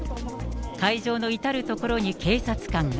会場の至る所に警察官が。